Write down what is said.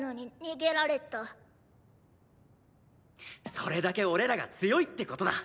それだけ俺らが強いってことだ！